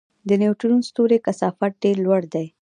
د نیوټرون ستوري کثافت ډېر لوړ دی.